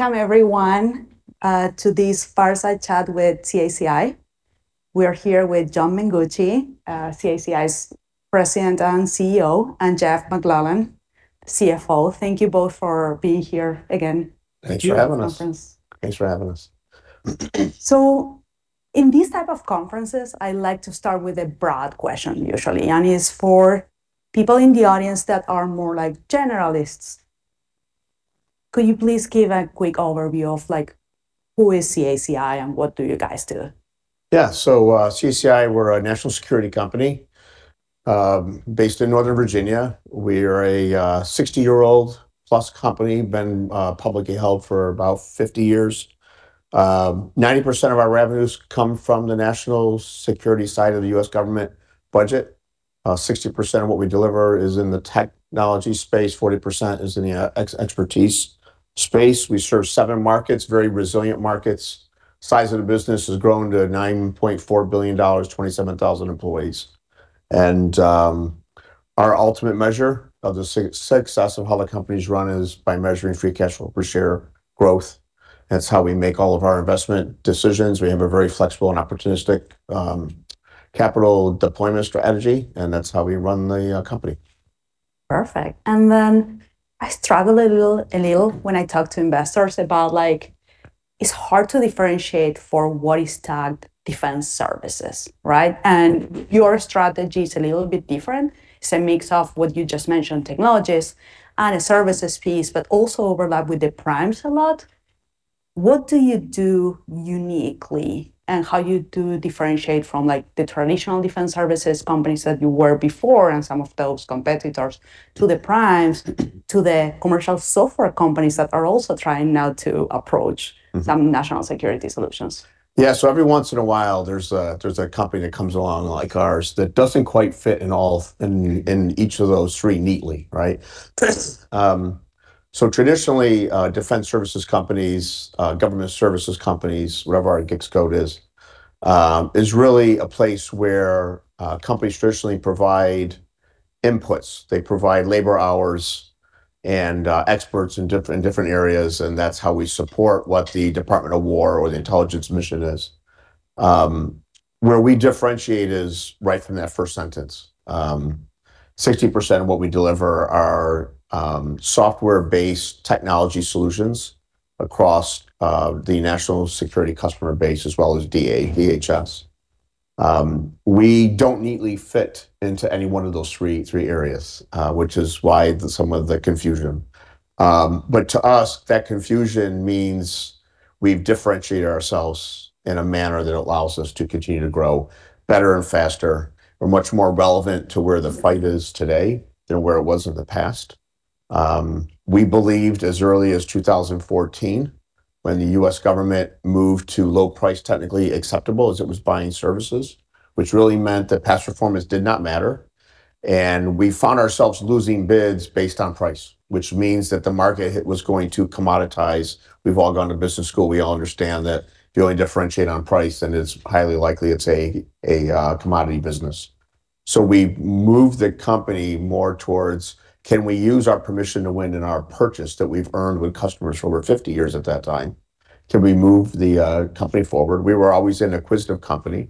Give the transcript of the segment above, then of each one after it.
Welcome everyone to this fireside chat with CACI. We are here with John Mengucci, CACI's President and CEO, and Jeff MacLauchlan, CFO. Thank you both for being here again- Thanks for having us. at the conference. Thanks for having us. In these type of conferences, I like to start with a broad question usually, and it's for people in the audience that are more like generalists. Could you please give a quick overview of like who is CACI and what do you guys do? Yeah. CACI, we're a national security company, based in Northern Virginia. We are a 60-year-old plus company, been publicly held for about 50 years. 90% of our revenues come from the national security side of the U.S. government budget. 60% of what we deliver is in the technology space, 40% is in the expertise space. We serve seven markets, very resilient markets. Size of the business has grown to $9.4 billion, 27,000 employees. Our ultimate measure of the success of how the company's run is by measuring free cash flow per share growth. That's how we make all of our investment decisions. We have a very flexible and opportunistic capital deployment strategy, and that's how we run the company. Perfect. I struggle a little when I talk to investors about like it's hard to differentiate for what is tagged defense services, right? Your strategy is a little bit different. It's a mix of what you just mentioned, technologies and a services piece, but also overlap with the primes a lot. What do you do uniquely, and how you do differentiate from like the traditional defense services companies that you were before and some of those competitors to the primes, to the commercial software companies that are also trying now to approach- Mm-hmm some national security solutions? Yeah. Every once in a while, there's a company that comes along like ours that doesn't quite fit in all in each of those three neatly, right? Yes. Traditionally, defense services companies, government services companies, whatever our GICS code is really a place where companies traditionally provide inputs. They provide labor hours and experts in different areas, and that's how we support what the Department of War or the intelligence mission is. Where we differentiate is right from that first sentence. 60% of what we deliver are software-based technology solutions across the national security customer base as well as DA, DHS. We don't neatly fit into any one of those three areas, which is why some of the confusion. To us, that confusion means we've differentiated ourselves in a manner that allows us to continue to grow better and faster. We're much more relevant to where the fight is today than where it was in the past. We believed as early as 2014 when the U.S. government moved to low price technically acceptable as it was buying services, which really meant that past performance did not matter, and we found ourselves losing bids based on price, which means that the market was going to commoditize. We've all gone to business school. We all understand that if you only differentiate on price, then it's highly likely it's a commodity business. We moved the company more towards can we use our position to win in our procurements that we've earned with customers for over 50 years at that time? Can we move the company forward? We were always an acquisitive company.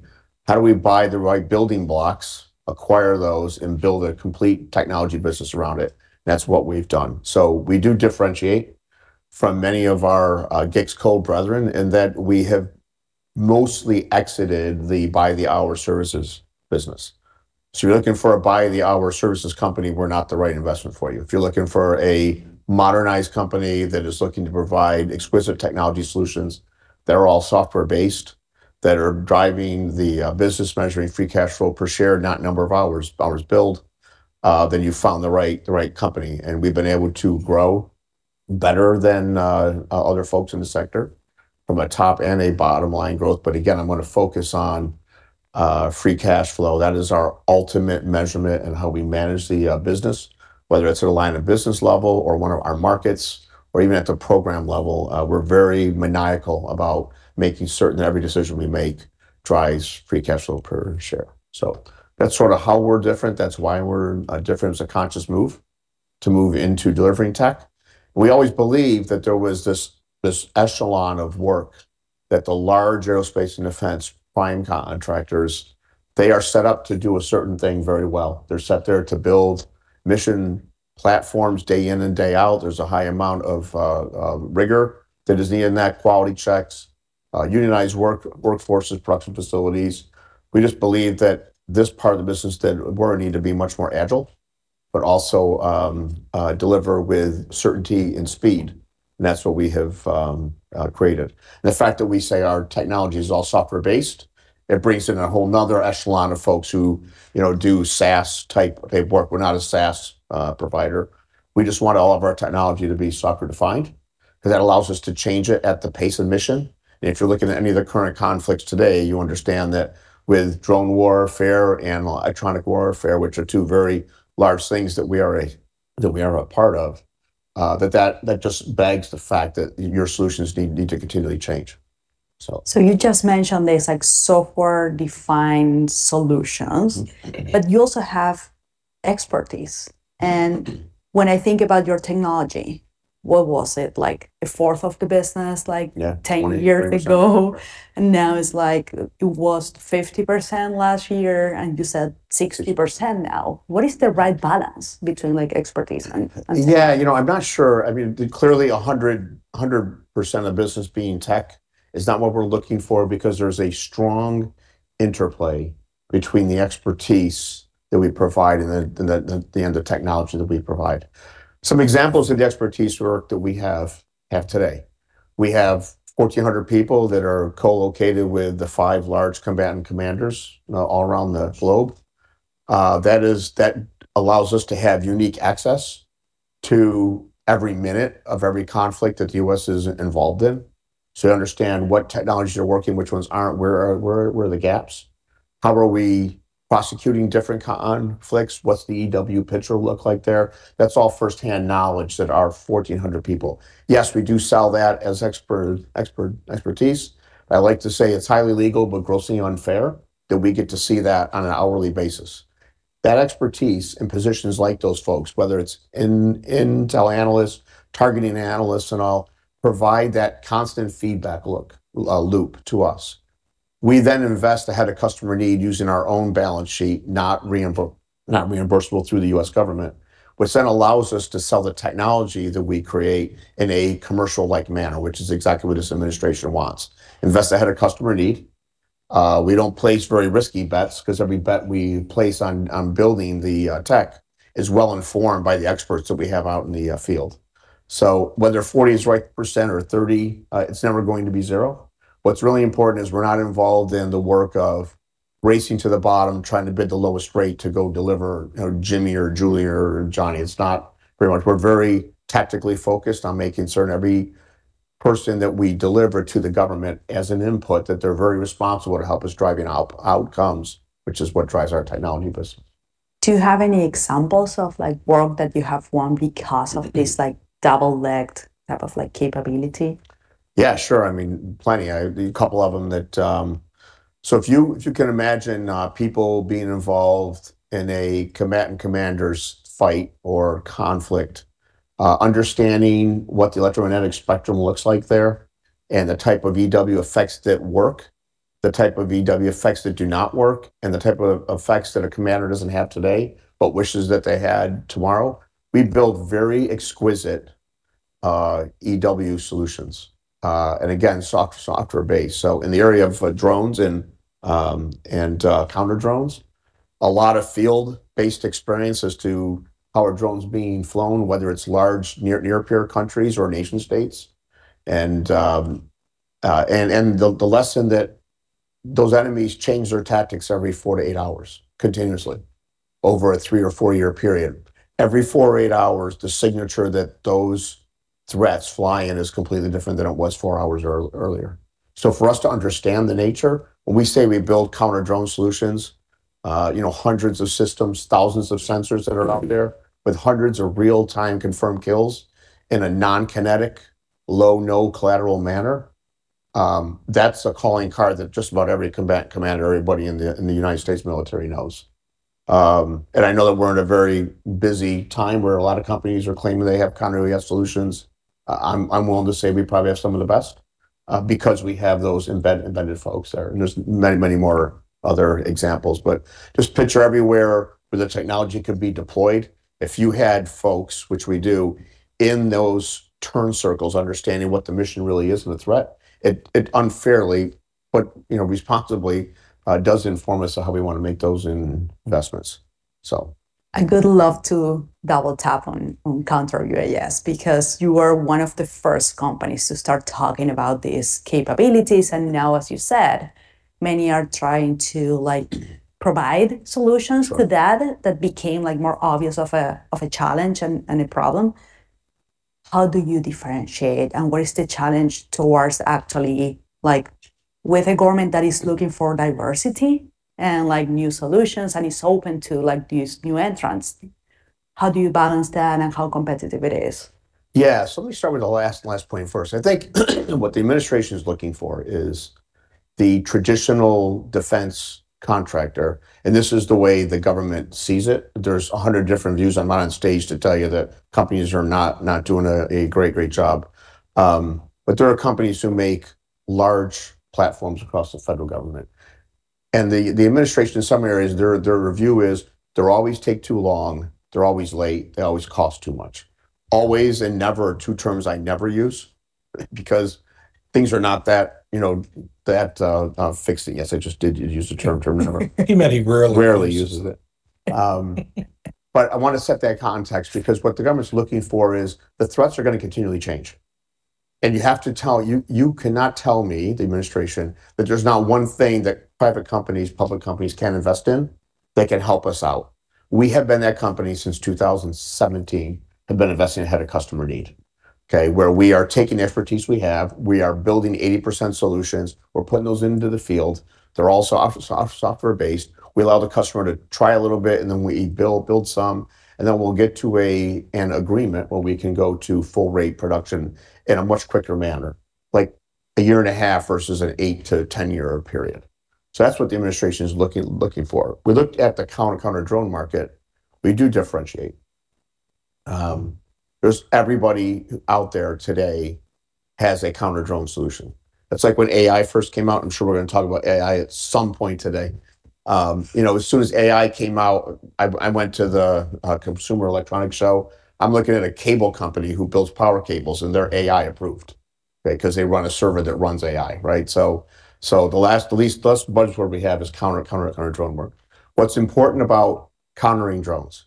How do we buy the right building blocks, acquire those, and build a complete technology business around it? That's what we've done. We do differentiate from many of our GICS code brethren in that we have mostly exited the buy the hour services business. If you're looking for a buy the hour services company, we're not the right investment for you. If you're looking for a modernized company that is looking to provide exquisite technology solutions that are all software-based, that are driving the business measuring free cash flow per share, not number of hours billed, then you've found the right company. We've been able to grow better than other folks in the sector from a top and a bottom-line growth. Again, I'm gonna focus on free cash flow. That is our ultimate measurement in how we manage the business, whether it's at a line of business level or one of our markets or even at the program level. We're very maniacal about making certain that every decision we make drives free cash flow per share. That's sort of how we're different. That's why we're different. It's a conscious move into delivering tech. We always believed that there was this echelon of work that the large aerospace and defense prime contractors, they are set up to do a certain thing very well. They're set there to build mission platforms day in and day out. There's a high amount of rigor that is needed in that, quality checks, unionized workforces, production facilities. We just believe that this part of the business that we're needing to be much more agile, but also, deliver with certainty and speed, and that's what we have created. The fact that we say our technology is all software-based, it brings in a whole another echelon of folks who, you know, do SaaS type of work. We're not a SaaS provider. We just want all of our technology to be software defined because that allows us to change it at the pace of mission. If you're looking at any of the current conflicts today, you understand that with drone warfare and electronic warfare, which are two very large things that we are a part of, that just begs the fact that your solutions need to continually change. You just mentioned there's like software-defined solutions. Mm-hmm. You also have expertise. Mm-hmm. When I think about your technology, what was it, like a fourth of the business, like- Yeah. 10 years ago? Now it's like it was 50% last year, and you said 60% now. What is the right balance between, like expertise and software? Yeah, you know, I'm not sure. I mean, clearly 100% of the business being tech is not what we're looking for because there's a strong interplay between the expertise that we provide and the end technology that we provide. Some examples of the expertise work that we have today, we have 1,400 people that are co-located with the five large combatant commanders all around the globe. That allows us to have unique access to every minute of every conflict that the U.S. is involved in, to understand what technologies are working, which ones aren't, where are the gaps, how are we prosecuting different conflicts, what's the EW picture look like there. That's all first-hand knowledge that our 1,400 people. Yes, we do sell that as expertise. I like to say it's highly legal but grossly unfair that we get to see that on an hourly basis. That expertise in positions like those folks, whether it's in intel analyst, targeting analysts, and I'll provide that constant feedback loop to us. We then invest ahead of customer need using our own balance sheet, not reimbursable through the U.S. government, which then allows us to sell the technology that we create in a commercial-like manner, which is exactly what this administration wants. Invest ahead of customer need. We don't place very risky bets 'cause every bet we place on building the tech is well informed by the experts that we have out in the field. Whether 40% is the right percent or 30%, it's never going to be zero. What's really important is we're not involved in the work of racing to the bottom, trying to bid the lowest rate to go deliver, you know, Jimmy or Julie or Johnny. It's not very much. We're very tactically focused on making certain every person that we deliver to the government as an input, that they're very responsible to help us driving out outcomes, which is what drives our technology business. Do you have any examples of, like, work that you have won because of this, like, double-legged type of, like, capability? Yeah, sure. I mean, plenty. A couple of them that, so if you can imagine, people being involved in a combatant commander's fight or conflict, understanding what the electromagnetic spectrum looks like there and the type of EW effects that work, the type of EW effects that do not work, and the type of effects that a commander doesn't have today but wishes that they had tomorrow, we build very exquisite EW solutions. And again, software-based. So in the area of drones and counter-drones, a lot of field-based experience as to how are drones being flown, whether it's large near-peer countries or nation states. And the lesson that those enemies change their tactics every four to eight hours continuously over a three or four-year period. Every four to eight hours, the signature that those threats fly in is completely different than it was four hours earlier. For us to understand the nature, when we say we build counter-drone solutions, you know, hundreds of systems, thousands of sensors that are out there with hundreds of real-time confirmed kills in a non-kinetic, low, no collateral manner, that's a calling card that just about every combat commander, everybody in the United States military knows. I know that we're in a very busy time where a lot of companies are claiming they have counter-UAS solutions. I'm willing to say we probably have some of the best, because we have those invented folks there, and there's many more other examples. Just picture everywhere where the technology could be deployed if you had folks, which we do, in those turn circles understanding what the mission really is and the threat. It unfairly but, you know, responsibly does inform us of how we wanna make those investments. I would love to double tap on counter-UAS because you were one of the first companies to start talking about these capabilities and now, as you said, many are trying to, like, provide solutions- Sure. to that became, like, more obvious of a challenge and a problem. How do you differentiate, and what is the challenge towards actually, like, with a government that is looking for diversity and, like, new solutions and is open to, like, these new entrants, how do you balance that and how competitive it is? Yeah. Let me start with the last point first. I think what the administration is looking for is the traditional defense contractor, and this is the way the government sees it. There's 100 different views. I'm not on stage to tell you that companies are not doing a great job. There are companies who make large platforms across the federal government. The administration in some areas, their review is they always take too long, they always late, they always cost too much. Always and never are two terms I never use because things are not that, you know, that fixed. Yes, I just did use the term never. He meant he rarely uses it. Rarely uses it. I wanna set that context because what the government's looking for is the threats are gonna continually change. You cannot tell me, the administration, that there's not one thing that private companies, public companies can invest in that can help us out. We have been that company since 2017, have been investing ahead of customer need, okay? Where we are taking the expertise we have, we are building 80% solutions, we're putting those into the field. They're also software based. We allow the customer to try a little bit, and then we build some, and then we'll get to an agreement where we can go to full rate production in a much quicker manner, like 1.5 year versus an eight-year to 10-year period. That's what the administration is looking for. We looked at the counter-drone market. We do differentiate. There's everybody out there today has a counter-drone solution. It's like when AI first came out, I'm sure we're gonna talk about AI at some point today. You know, as soon as AI came out, I went to the Consumer Electronics Show. I'm looking at a cable company who builds power cables, and they're AI approved, okay? Because they run a server that runs AI, right? The latest budget where we have is counter-drone work. What's important about countering drones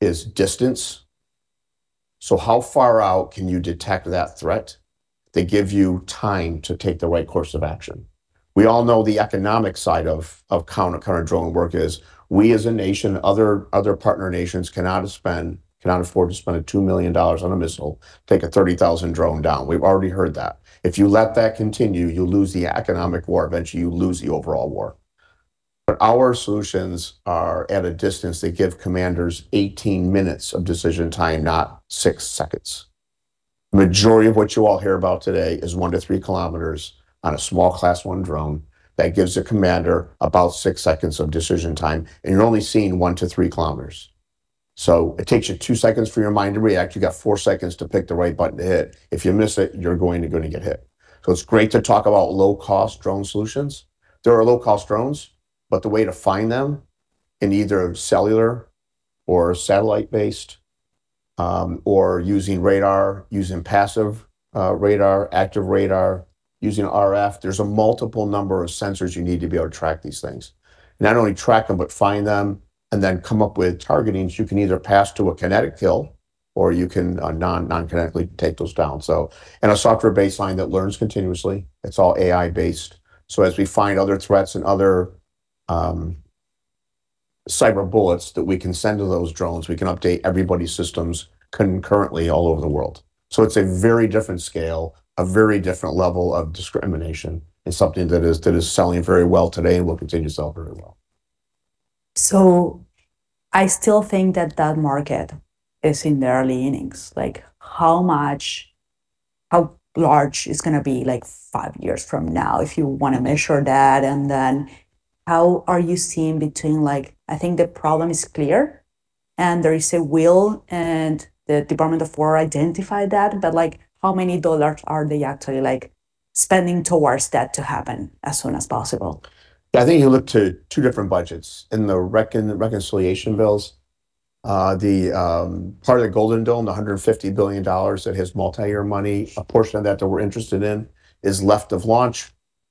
is distance. How far out can you detect that threat to give you time to take the right course of action? We all know the economic side of counter-drone work is we as a nation, other partner nations cannot afford to spend $2 million on a missile, take a $30,000 drone down. We've already heard that. If you let that continue, you'll lose the economic war. Eventually, you lose the overall war. Our solutions are at a distance that give commanders 18 minutes of decision time, not six seconds. Majority of what you all hear about today is 1 km-3 km on a small class one drone that gives a commander about six seconds of decision time, and you're only seeing 1 km-3 km. It takes you two seconds for your mind to react. You got four seconds to pick the right button to hit. If you miss it, you're going to get hit. It's great to talk about low-cost drone solutions. There are low-cost drones, but the way to find them in either cellular or satellite-based or using radar, using passive radar, active radar, using RF. There's a multiple number of sensors you need to be able to track these things. Not only track them, but find them and then come up with targeting. You can either pass to a kinetic kill or you can non-kinetically take those down. A software baseline that learns continuously, it's all AI based. As we find other threats and other cyber bullets that we can send to those drones, we can update everybody's systems concurrently all over the world. It's a very different scale, a very different level of discrimination, and something that is selling very well today, will continue to sell very well. I still think that market is in the early innings. Like, how much, how large it's gonna be, like, five years from now, if you wanna measure that, and then how are you seeing between, like, I think the problem is clear, and there is a will, and the Department of War identified that. Like, how many dollars are they actually, like, spending towards that to happen as soon as possible? I think you look to two different budgets. In the reconciliation bills, the part of the Golden Dome, the $150 billion that has multi-year money, a portion of that that we're interested in is left of launch,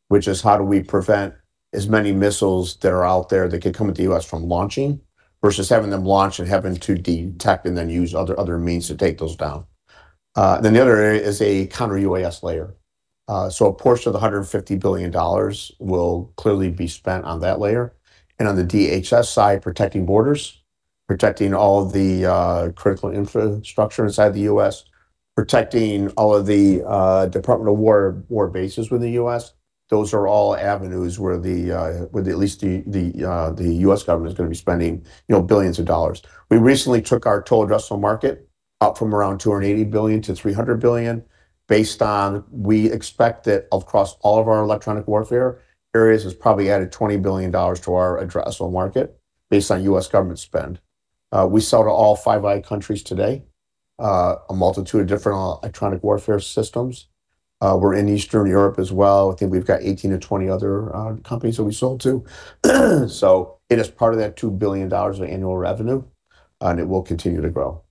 which is how do we prevent as many missiles that are out there that could come at the U.S. from launching, versus having them launch and having to detect and then use other means to take those down. Then the other area is a counter-UAS layer. A portion of the $150 billion will clearly be spent on that layer. On the DHS side, protecting borders, protecting all the critical infrastructure inside the U.S., protecting all of the Department of War bases within the U.S. Those are all avenues where the U.S. government is gonna be spending, you know, billions of dollars. We recently took our total addressable market up from around $280 billion-$300 billion based on we expect that across all of our electronic warfare areas has probably added $20 billion to our addressable market based on U.S. government spend. We sell to all Five Eyes countries today, a multitude of different electronic warfare systems. We're in Eastern Europe as well. I think we've got 18 to 20 other companies that we sold to. It is part of that $2 billion of annual revenue, and it will continue to grow.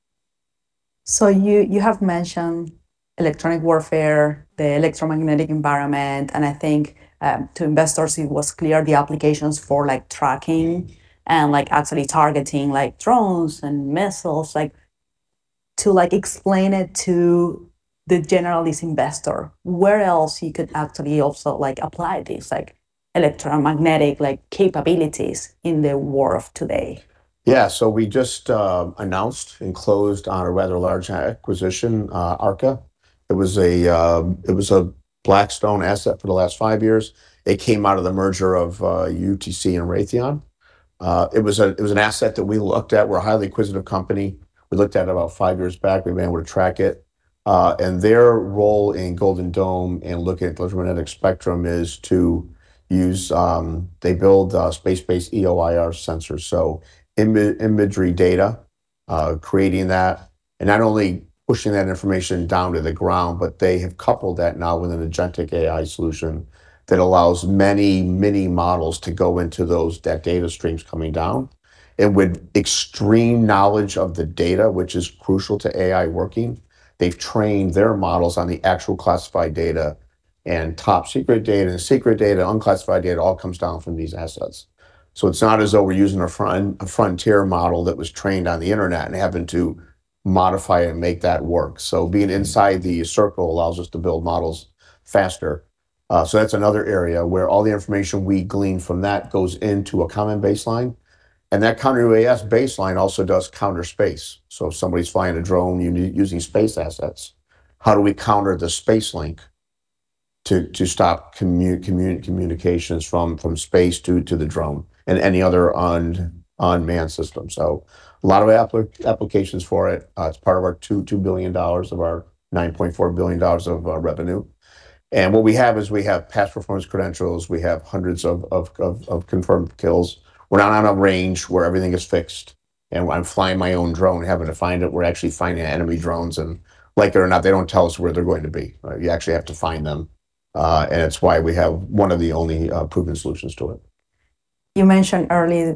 You have mentioned electronic warfare, the electromagnetic environment, and I think to investors, it was clear the applications for like tracking and like actually targeting like drones and missiles. Like to like explain it to the generalist investor, where else you could actually also like apply these like electromagnetic like capabilities in the war of today? Yeah. We just announced and closed on a rather large acquisition, ARKA. It was a Blackstone asset for the last five years. It came out of the merger of UTC and Raytheon. It was an asset that we looked at. We're a highly acquisitive company. We looked at it about five years back. We've been able to track it. Their role in Golden Dome and looking at electromagnetic spectrum is to use they build space-based EOIR sensors. Imagery data, creating that, and not only pushing that information down to the ground, but they have coupled that now with an agentic AI solution that allows many models to go into that data streams coming down. With extreme knowledge of the data, which is crucial to AI working, they've trained their models on the actual classified data and top secret data. Secret data, unclassified data all comes down from these assets. It's not as though we're using a frontier model that was trained on the internet and having to modify and make that work. Being inside the circle allows us to build models faster. That's another area where all the information we glean from that goes into a common baseline, and that counter-UAS baseline also does counter space. If somebody's flying a drone using space assets, how do we counter the space link to stop communications from space to the drone and any other unmanned system? A lot of applications for it. It's part of our $2 billion of our $9.4 billion of our revenue. What we have is we have past performance credentials. We have hundreds of confirmed kills. We're not on a range where everything is fixed. I'm flying my own drone, having to find it. We're actually finding enemy drones, and like it or not, they don't tell us where they're going to be, right? You actually have to find them, and it's why we have one of the only proven solutions to it. You mentioned earlier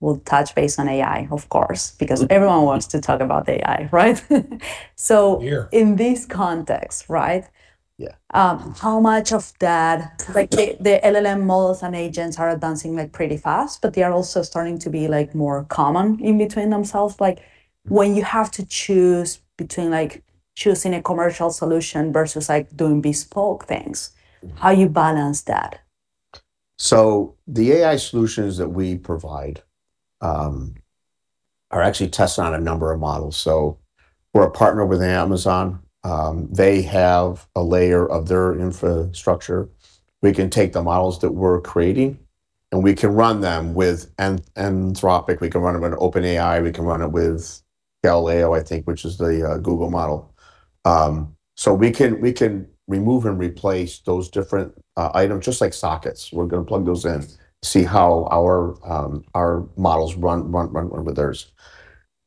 we'll touch base on AI, of course, because everyone wants to talk about AI, right? Here. in this context, right? Yeah. How much of that, like, the LLM models and agents are advancing, like, pretty fast, but they are also starting to be, like, more common in between themselves. Like, when you have to choose between, like, choosing a commercial solution versus, like, doing bespoke things, how you balance that? The AI solutions that we provide are actually tested on a number of models. We're a partner with Amazon. They have a layer of their infrastructure. We can take the models that we're creating, and we can run them with Anthropic, we can run them in OpenAI, we can run it with Gemini, I think, which is the Google model. We can remove and replace those different items just like sockets. We're gonna plug those in, see how our models run with theirs.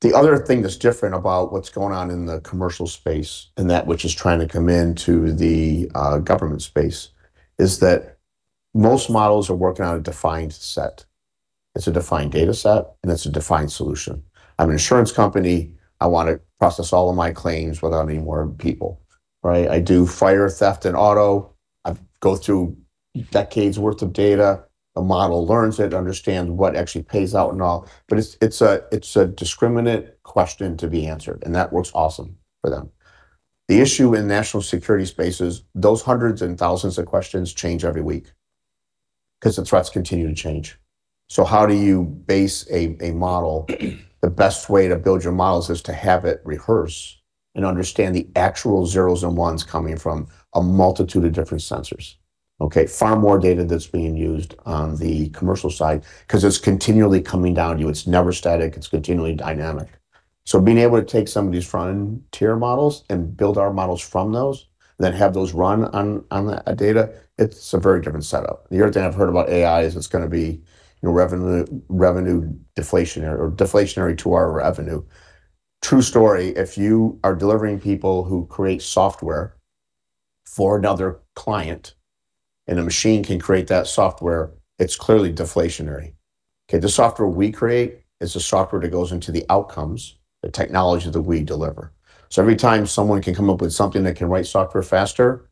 The other thing that's different about what's going on in the commercial space and that which is trying to come into the government space is that most models are working on a defined set. It's a defined data set, and it's a defined solution. I'm an insurance company. I wanna process all of my claims without any more people, right? I do fire, theft, and auto. I go through decades worth of data. A model learns it, understands what actually pays out and all. It's a discrete question to be answered, and that works awesome for them. The issue in national security space is those hundreds and thousands of questions change every week because the threats continue to change. How do you base a model? The best way to build your models is to have it rehearse and understand the actual zeros and ones coming from a multitude of different sensors, okay? Far more data that's being used on the commercial side because it's continually coming down to you. It's never static. It's continually dynamic. Being able to take some of these frontier models and build our models from those, then have those run on the data, it's a very different setup. The other thing I've heard about AI is it's gonna be, you know, revenue deflationary or deflationary to our revenue. True story. If you are delivering people who create software for another client and a machine can create that software, it's clearly deflationary, okay? The software we create is the software that goes into the outcomes, the technology that we deliver. Every time someone can come up with something that can write software faster,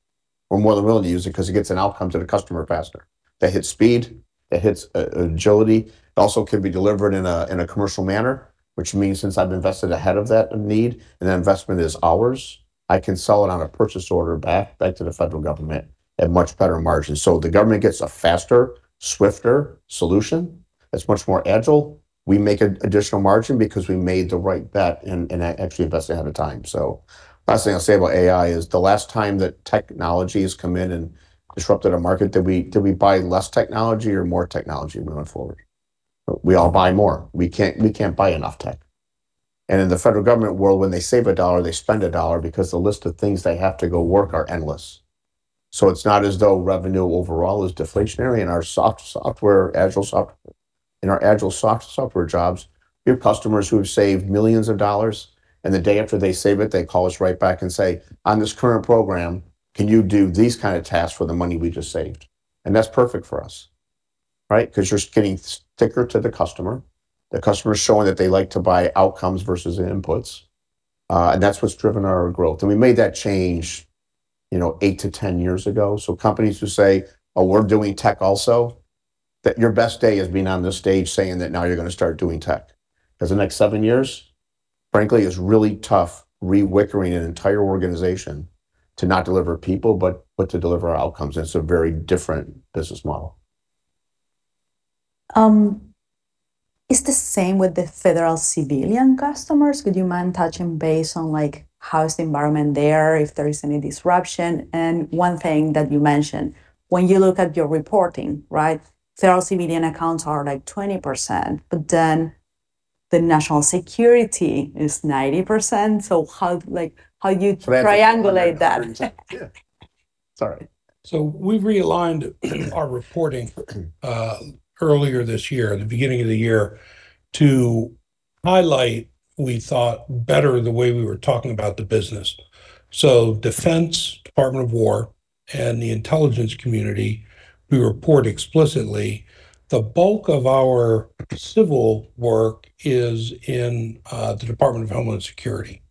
we're more than willing to use it 'cause it gets an outcome to the customer faster. That hits speed. It hits agility. It also can be delivered in a commercial manner, which means since I've invested ahead of that need, and that investment is ours, I can sell it on a purchase order back to the federal government at much better margins. The government gets a faster, swifter solution that's much more agile. We make an additional margin because we made the right bet and actually invest ahead of time. Last thing I'll say about AI is the last time that technology has come in and disrupted a market, did we buy less technology or more technology moving forward? We all buy more. We can't buy enough tech. In the federal government world, when they save $1, they spend $1 because the list of things they have to go work are endless. It's not as though revenue overall is deflationary. In our agile software jobs, we have customers who have save millions of dollars, and the day after they save it, they call us right back and say, "On this current program, can you do these kind of tasks for the money we just saved?" And that's perfect for us, right? Because you're getting stickier to the customer. The customer's showing that they like to buy outcomes versus inputs. That's what's driven our growth. We made that change, you know, eight to 10 years ago. Companies who say, "Oh, we're doing tech also," that's your best day, being on this stage saying that now you're gonna start doing tech. Because the next seven years, frankly, is really tough reengineering an entire organization to not deliver people, but to deliver outcomes. It's a very different business model. It's the same with the federal civilian customers. Would you mind touching base on, like, how is the environment there, if there is any disruption? One thing that you mentioned, when you look at your reporting, right, federal civilian accounts are, like, 20%, but then the national security is 90%. How, like, how you triangulate that? Yeah. Sorry. We've realigned our reporting earlier this year, the beginning of the year, to highlight, we thought, better the way we were talking about the business. Defense, Department of War, and the intelligence community, we report explicitly. The bulk of our civil work is in the Department of Homeland Security.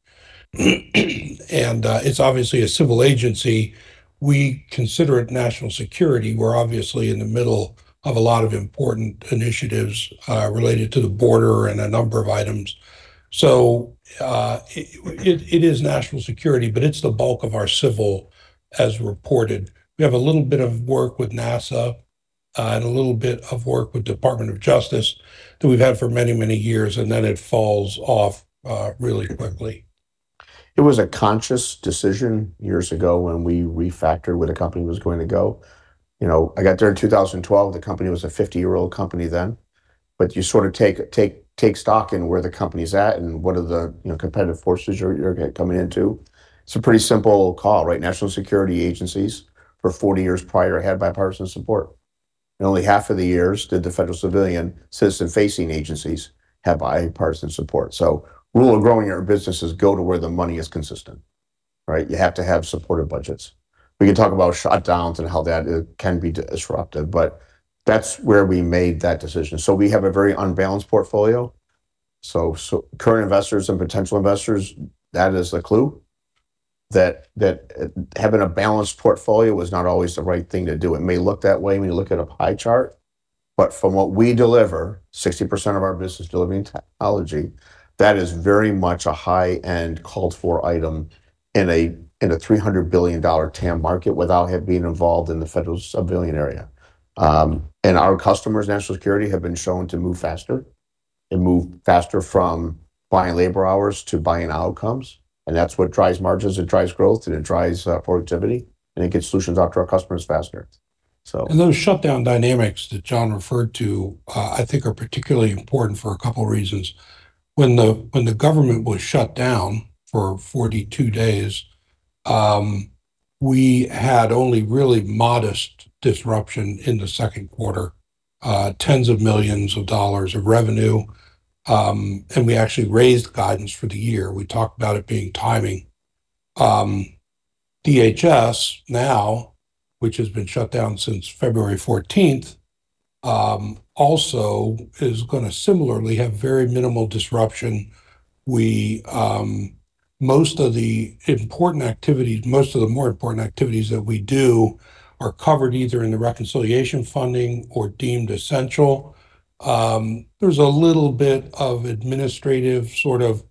It's obviously a civil agency. We consider it national security. We're obviously in the middle of a lot of important initiatives related to the border and a number of items. It is national security, but it's the bulk of our civil as reported. We have a little bit of work with NASA and a little bit of work with Department of Justice that we've had for many, many years, and then it falls off really quickly. It was a conscious decision years ago when we refactored where the company was going to go. You know, I got there in 2012. The company was a 50-year-old company then. You sort of take stock in where the company's at and what are the, you know, competitive forces you're coming into. It's a pretty simple call, right? National security agencies for 40 years prior had bipartisan support. Only 1/2 of the years did the federal civilian citizen-facing agencies have bipartisan support. Rule of growing your own business is go to where the money is consistent, right? You have to have supportive budgets. We can talk about shutdowns and how that can be disruptive, but that's where we made that decision. We have a very unbalanced portfolio. Current investors and potential investors, that is a clue that having a balanced portfolio is not always the right thing to do. It may look that way when you look at a pie chart, but from what we deliver, 60% of our business delivering technology, that is very much a high-end called-for item in a $300 billion TAM market without having been involved in the federal civilian area. Our customers, national security, have been shown to move faster from buying labor hours to buying outcomes, and that's what drives margins, it drives growth, and it drives productivity, and it gets solutions out to our customers faster. Those shutdown dynamics that John referred to, I think are particularly important for a couple reasons. When the government was shut down for 42 days, we had only really modest disruption in the second quarter, tens of millions of dollars of revenue, and we actually raised guidance for the year. We talked about it being timing. DHS now, which has been shut down since February 14th, also is gonna similarly have very minimal disruption. Most of the more important activities that we do are covered either in the reconciliation funding or deemed essential. There's a little bit of administrative, sort of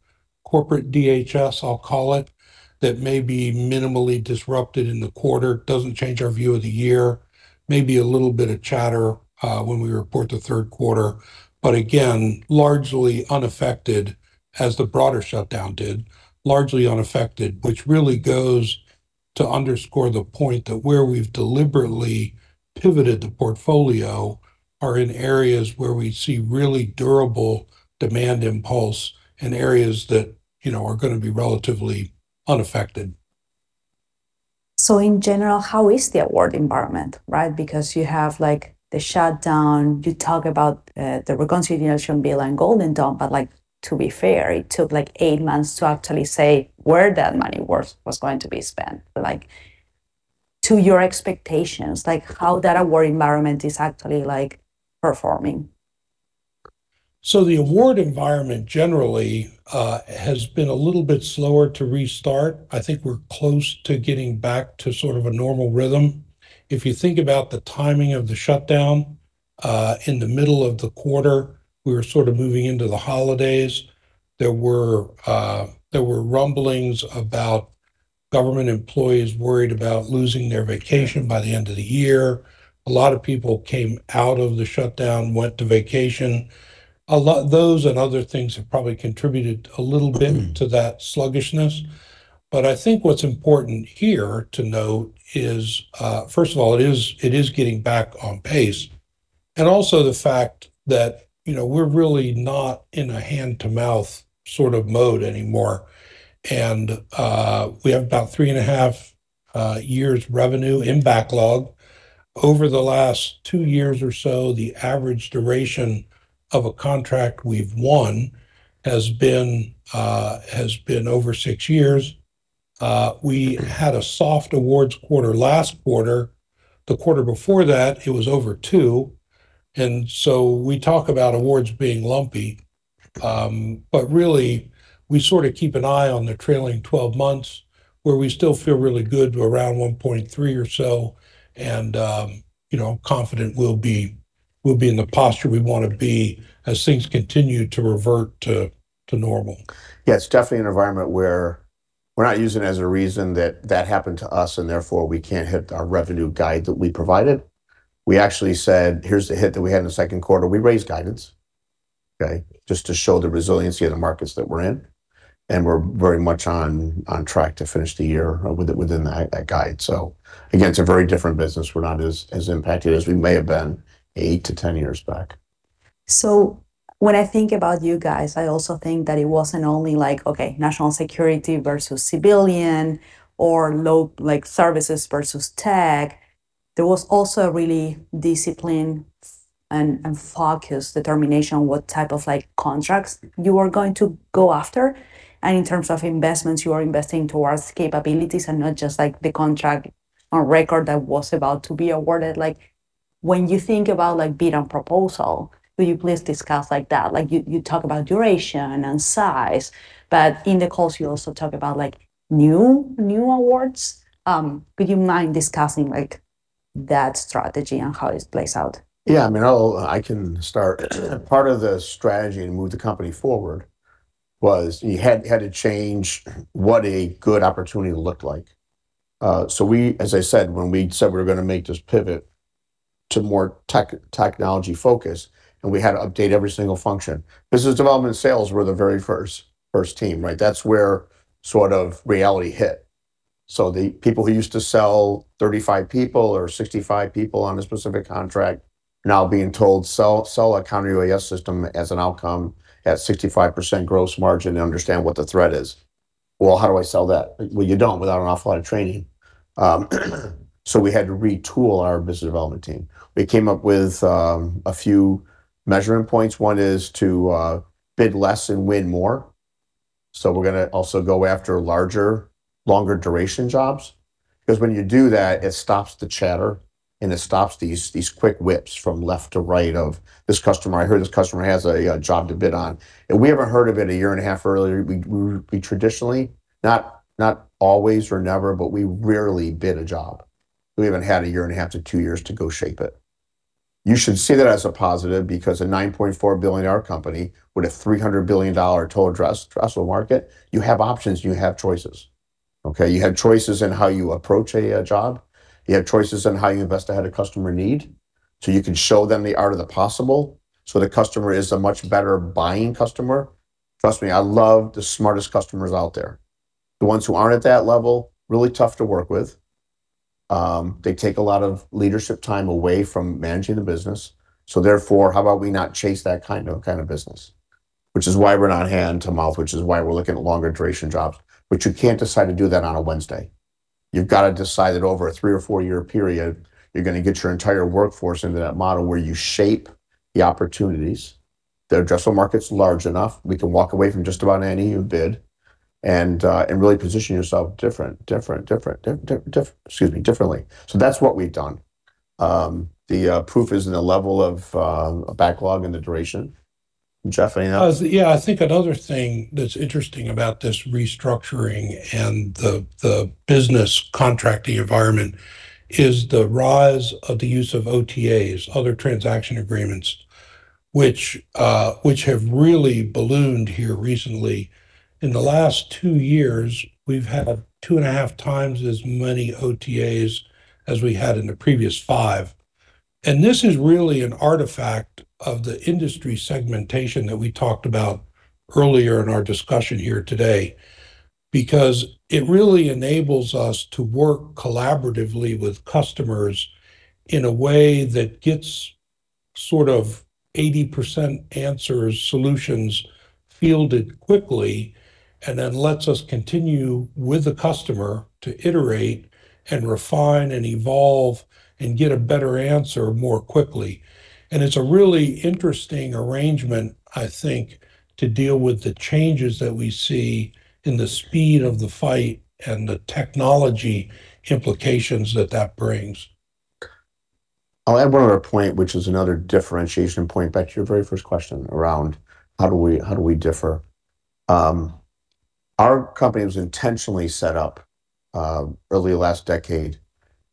corporate DHS, I'll call it, that may be minimally disrupted in the quarter. Doesn't change our view of the year. Maybe a little bit of chatter when we report the third quarter. Again, largely unaffected as the broader shutdown did, which really goes to underscore the point that where we've deliberately pivoted the portfolio are in areas where we see really durable demand impulse in areas that, you know, are gonna be relatively unaffected. In general, how is the award environment, right? Because you have, like, the shutdown. You talk about the reconciliation bill and Golden Dome, but, like, to be fair, it took, like, eight months to actually say where that money was going to be spent. Like, to your expectations, like, how that award environment is actually, like, performing? The award environment generally has been a little bit slower to restart. I think we're close to getting back to sort of a normal rhythm. If you think about the timing of the shutdown in the middle of the quarter, we were sort of moving into the holidays. There were rumblings about government employees worried about losing their vacation by the end of the year. A lot of people came out of the shutdown, went to vacation. Those and other things have probably contributed a little bit to that sluggishness. But I think what's important here to note is, first of all, it is getting back on pace, and also the fact that, you know, we're really not in a hand-to-mouth sort of mode anymore. We have about 3.5 years revenue in backlog. Over the last two years or so, the average duration of a contract we've won has been over six years. We had a soft awards quarter last quarter. The quarter before that, it was over two. We talk about awards being lumpy, but really, we sort of keep an eye on the trailing 12 months, where we still feel really good to around 1.3 or so and, you know, confident we'll be in the posture we wanna be as things continue to revert to normal. Yeah, it's definitely an environment where we're not using it as a reason that that happened to us, and therefore we can't hit our revenue guide that we provided. We actually said, "Here's the hit that we had in the second quarter." We raised guidance, okay? Just to show the resiliency of the markets that we're in, and we're very much on track to finish the year within that guide. Again, it's a very different business. We're not as impacted as we may have been eight to 10 years back. When I think about you guys, I also think that it wasn't only like, okay, national security versus civilian or like services versus tech. There was also a really disciplined and focused determination what type of like, contracts you are going to go after. In terms of investments, you are investing towards capabilities and not just like the contract work that was about to be awarded. Like, when you think about like bid and proposal, will you please discuss like that? Like you talk about duration and size, but in the calls, you also talk about like new awards. Would you mind discussing like that strategy and how it plays out? Yeah, I mean, I can start. Part of the strategy to move the company forward was you had to change what a good opportunity looked like. We, as I said, when we said we're gonna make this pivot to more tech focus, and we had to update every single function. Business development and sales were the very first team, right? That's where sort of reality hit. The people who used to sell 35 people or 65 people on a specific contract now being told, "Sell a counter-UAS system as an outcome at 65% gross margin and understand what the threat is." Well, how do I sell that? Well, you don't without an awful lot of training. We had to retool our business development team. We came up with a few measuring points. One is to bid less and win more. We're gonna also go after larger, longer duration jobs, 'cause when you do that, it stops the chatter, and it stops these quick whips from left to right of this customer. I heard this customer has a job to bid on. If we ever heard of it 1.5 year earlier, we traditionally not always or never, but we rarely bid a job if we haven't had 1.5 year to two years to go shape it. You should see that as a positive because a $9.4 billion company with a $300 billion total addressable market, you have options, you have choices, okay? You have choices in how you approach a job. You have choices in how you invest ahead of customer need. You can show them the art of the possible, so the customer is a much better buying customer. Trust me, I love the smartest customers out there. The ones who aren't at that level, really tough to work with. They take a lot of leadership time away from managing the business. Therefore, how about we not chase that kind of business? Which is why we're not hand-to-mouth, which is why we're looking at longer duration jobs. You can't decide to do that on a Wednesday. You've got to decide that over a three-year or four-year period, you're gonna get your entire workforce into that model where you shape the opportunities. The addressable market's large enough. We can walk away from just about any new bid and really position yourself differently. That's what we've done. The proof is in the level of backlog and the duration. Jeff, anything else? Yeah. I think another thing that's interesting about this restructuring and the business contracting environment is the rise of the use of OTAs, other transaction agreements, which have really ballooned here recently. In the last two years, we've had 2.5x as many OTAs as we had in the previous 5x. This is really an artifact of the industry segmentation that we talked about earlier in our discussion here today, because it really enables us to work collaboratively with customers in a way that gets sort of 80% answers, solutions fielded quickly, and then lets us continue with the customer to iterate and refine and evolve and get a better answer more quickly. It's a really interesting arrangement, I think, to deal with the changes that we see in the speed of the fight and the technology implications that that brings. I'll add one other point, which is another differentiation point back to your very first question around how do we differ. Our company was intentionally set up early last decade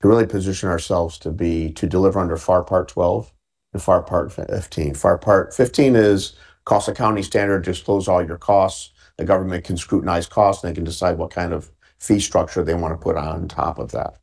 to really position ourselves to be, to deliver under FAR Part 12 and FAR Part 15. FAR Part 15 is cost accounting standard, disclose all your costs. The government can scrutinize costs, and they can decide what kind of fee structure they wanna put on top of that.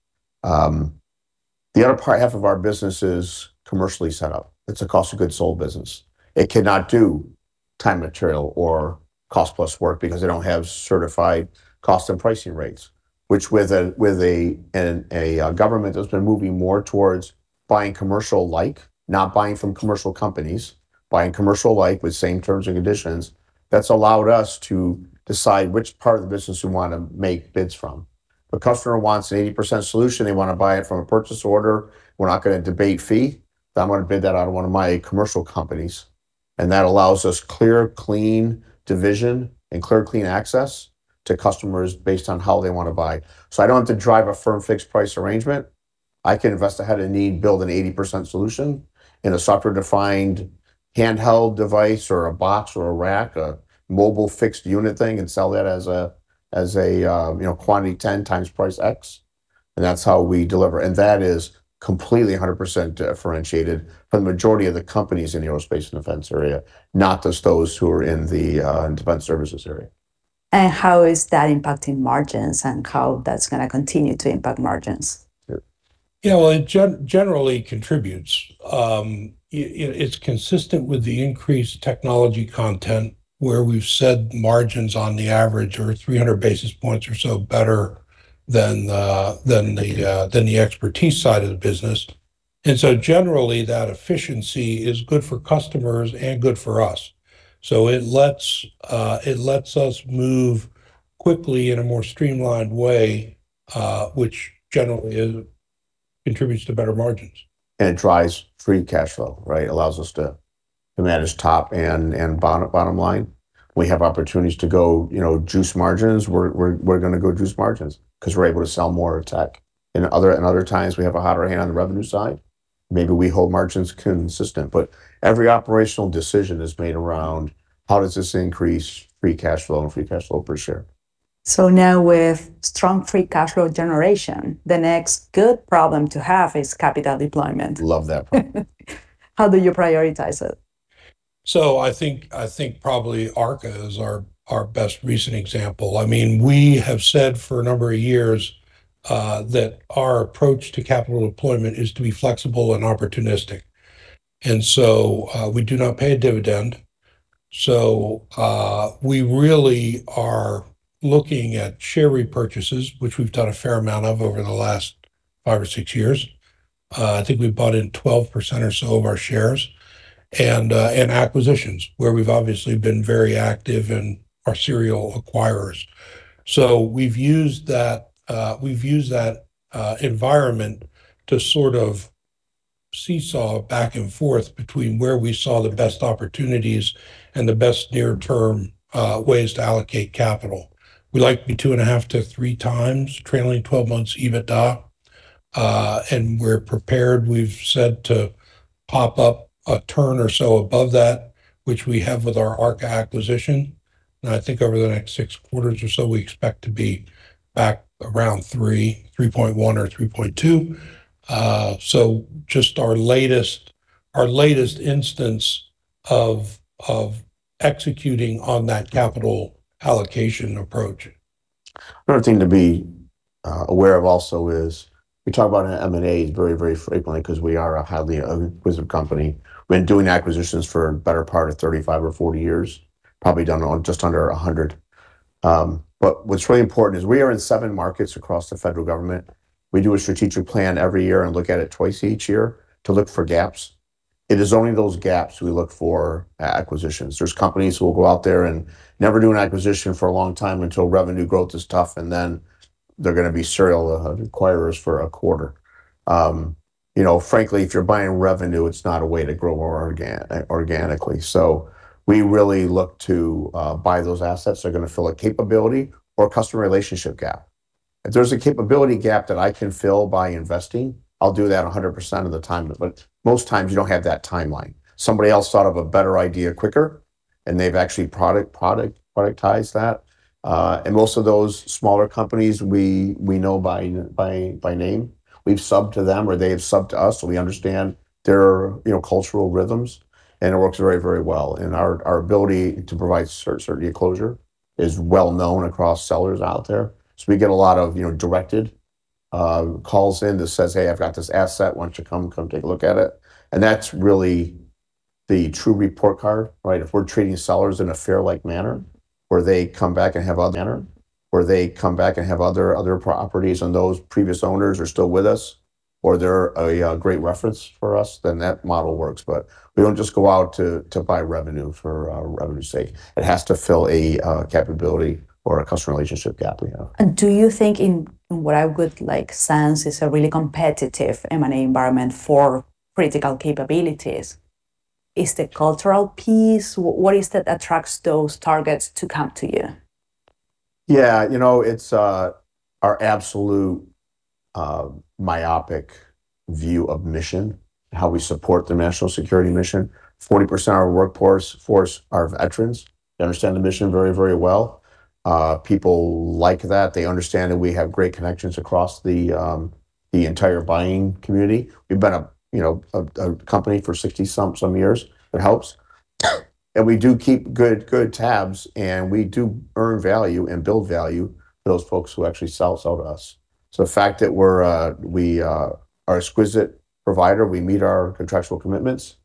The other part, half of our business is commercially set up. It's a cost of goods sold business. It cannot do time and material or cost-plus work because they don't have certified cost and pricing rates, which, with a government that's been moving more towards buying commercial like, not buying from commercial companies, buying commercial like with same terms and conditions, that's allowed us to decide which part of the business we wanna make bids from. The customer wants an 80% solution, they wanna buy it from a purchase order, we're not gonna debate fee, but I'm gonna bid that out of one of my commercial companies, and that allows us clear, clean division and clear, clean access to customers based on how they wanna buy. I don't have to drive a firm fixed price arrangement. I can invest ahead of need, build an 80% solution in a software-defined handheld device or a box or a rack, a mobile fixed unit thing, and sell that as a, you know, quantity 10 times price X, and that's how we deliver. That is completely 100% differentiated from the majority of the companies in the aerospace and defense area, not just those who are in the defense services area. How is that impacting margins and how that's gonna continue to impact margins? Yeah, well, it generally contributes. It's consistent with the increased technology content where we've said margins on the average are 300 basis points or so better than the expertise side of the business. Generally, that efficiency is good for customers and good for us. It lets us move quickly in a more streamlined way, which generally contributes to better margins. Drives free cash flow, right? Allows us to manage top and bottom line. We have opportunities to go, you know, juice margins. We're gonna go juice margins 'cause we're able to sell more tech. In other times, we have a hotter hand on the revenue side. Maybe we hold margins consistent. Every operational decision is made around how does this increase free cash flow and free cash flow per share. Now with strong free cash flow generation, the next good problem to have is capital deployment. Love that problem. How do you prioritize it? I think probably ARKA is our best recent example. I mean, we have said for a number of years that our approach to capital deployment is to be flexible and opportunistic. We do not pay a dividend. We really are looking at share repurchases, which we've done a fair amount of over the last five years or six years. I think we bought in 12% or so of our shares and acquisitions where we've obviously been very active and are serial acquirers. We've used that environment to sort of seesaw back and forth between where we saw the best opportunities and the best near-term ways to allocate capital. We like to be 2.5x-3x trailing twelve months EBITDA, and we're prepared. We've said to pop up a turn or so above that, which we have with our ARKA acquisition. I think over the next six quarters or so, we expect to be back around 3.1x or 3.2x. Just our latest instance of executing on that capital allocation approach. Another thing to be aware of also is we talk about M&A's very, very frequently because we are a highly acquisitive company. We've been doing acquisitions for the better part of 35 years or 40 years, probably done just under 100. What's really important is we are in seven markets across the federal government. We do a strategic plan every year and look at it twice each year to look for gaps. It is only those gaps we look for acquisitions. There's companies who will go out there and never do an acquisition for a long time until revenue growth is tough, and then they're gonna be serial acquirers for a quarter. You know, frankly, if you're buying revenue, it's not a way to grow organically. We really look to buy those assets that are gonna fill a capability or customer relationship gap. If there's a capability gap that I can fill by investing, I'll do that 100% of the time. Most times you don't have that timeline. Somebody else thought of a better idea quicker, and they've actually productized that. Most of those smaller companies we know by name. We've subbed to them, or they have subbed to us, so we understand their, you know, cultural rhythms, and it works very well. Our ability to provide certain closure is well known across sellers out there. We get a lot of, you know, directed calls that say, "Hey, I've got this asset. Why don't you come take a look at it?" That's really the true report card, right? If we're treating sellers in a fair-like manner where they come back and have other manner, where they come back and have other properties, and those previous owners are still with us or they're a great reference for us, then that model works. But we don't just go out to buy revenue for revenue's sake. It has to fill a capability or a customer relationship gap, you know. Do you think in what I would liken as a really competitive M&A environment for critical capabilities, is the cultural piece, what is it that attracts those targets to come to you? Yeah, you know, it's our absolute myopic view of mission, how we support the national security mission. 40% of our workforce are veterans. They understand the mission very, very well. People like that, they understand that we have great connections across the entire buying community. We've been a, you know, a company for 60 some years. It helps. We do keep good tabs, and we do earn value and build value for those folks who actually sell to us. The fact that we are an exquisite provider, we meet our contractual commitments,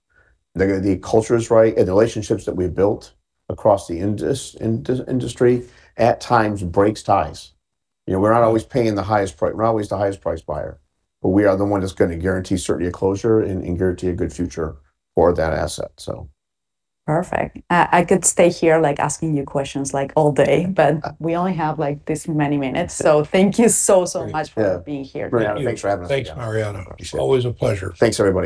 the culture is right, and the relationships that we've built across the industry at times breaks ties. You know, we're not always paying the highest price, we're not always the highest price buyer, but we are the one that's gonna guarantee certainty of closure and guarantee a good future for that asset, so. Perfect. I could stay here, like, asking you questions, like, all day. We only have, like, this many minutes. Thank you so much for being here. Yeah. Thanks for having us. Thanks, Arianna. Always a pleasure. Thanks, everybody.